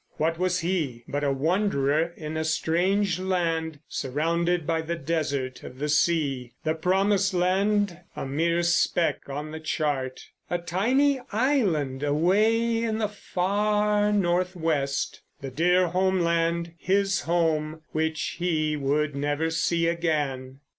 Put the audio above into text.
What was he but a wanderer in a strange land, surrounded by the desert of the sea—the promised land a mere speck on the chart—a tiny island away in the far north west. The dear homeland, his home which he would never see again.